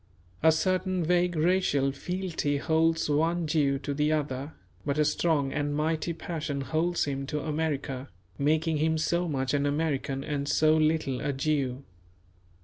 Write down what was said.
A certain vague racial fealty holds one Jew to the other; but a strong and mighty passion holds him to America, making him so much an American and so little a Jew.